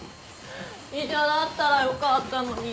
医者だったらよかったのに。